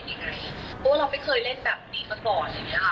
เพราะว่าเราไม่เคยเล่นแบบนี้ก่อน